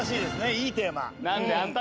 いいテーマ。